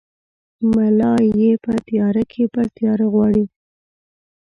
ملا ېې په تیاره کې پر تیاره غواړي!